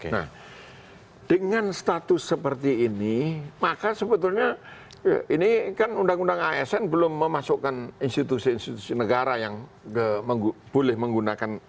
nah dengan status seperti ini maka sebetulnya ini kan undang undang asn belum memasukkan institusi institusi negara yang boleh menggunakan